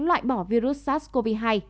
loại bỏ virus sars cov hai